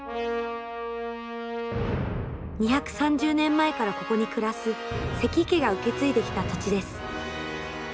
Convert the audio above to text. ２３０年前からここに暮らす関家が受け継いできた土地です。